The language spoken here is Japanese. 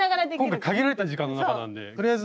今回限られた時間の中なんでとりあえず。